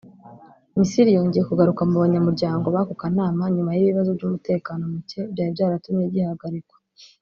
Misiri yongeye kugaruka mu banyamuryango b’ako kanama nyuma y’ibibazo by’umutekano muke byari byaratumye gihagarikwa